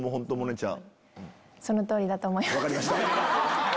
分かりました。